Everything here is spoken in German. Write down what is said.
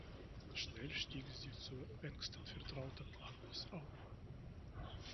Schnell stieg sie zur engsten Vertrauten Annas auf.